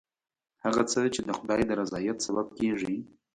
هغه څه چې د خدای د رضایت سبب کېږي.